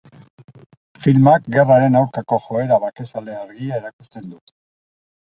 Filmak gerraren aurkako joera bakezale argia erakusten du.